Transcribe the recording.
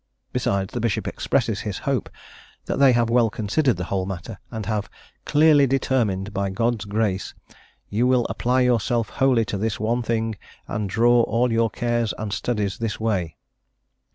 Besides, the bishop expresses his hope that they have well considered the whole matter, and have "clearly determined, by God's grace... you will apply yourself wholly to this one thing, and draw all your cares and studies this way."